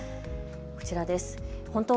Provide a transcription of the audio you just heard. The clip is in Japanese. こちらです。